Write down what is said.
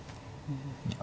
いや。